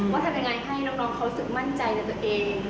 ทำยังไงให้น้องเขารู้สึกมั่นใจในตัวเอง